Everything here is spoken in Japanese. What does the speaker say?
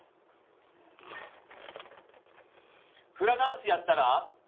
フラダンスやったら？